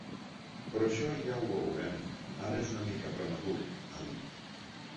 “Però això ja ho veurem, ara és una mica prematur”, ha dit.